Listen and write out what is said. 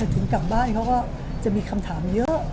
ถึงกลับบ้านเขาก็จะมีคำถามเยอะ